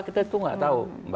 kita itu nggak tahu